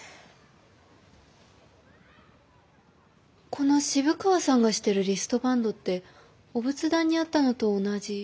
この渋川さんがしてるリストバンドってお仏壇にあったのと同じ。